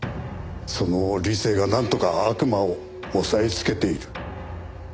その理性がなんとか悪魔を抑えつけている。